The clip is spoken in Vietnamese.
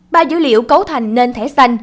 ba dữ liệu cấu thành nên thẻ xanh